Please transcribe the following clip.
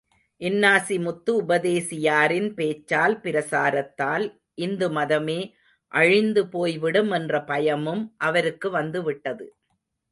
இன்னாசிமுத்து உபதேசியாரின் பேச்சால், பிரசாரத்தால், இந்து மதமே அழிந்து போய்விடும் என்ற பயமும் அவருக்கு வந்து விட்டது.